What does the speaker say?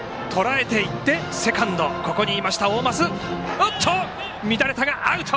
おっと、乱れたがアウト！